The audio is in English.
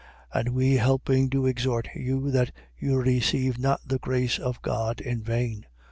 6:1. And we helping do exhort you that you receive not the grace of God in vain.